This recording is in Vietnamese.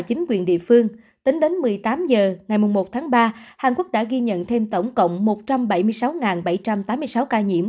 chính quyền địa phương tính đến một mươi tám h ngày một tháng ba hàn quốc đã ghi nhận thêm tổng cộng một trăm bảy mươi sáu bảy trăm tám mươi sáu ca nhiễm